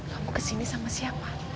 kamu kesini sama siapa